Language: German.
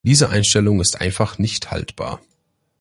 Diese Einstellung ist einfach nicht haltbar.